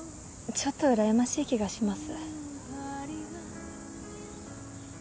ちょっとうらやましい気がします。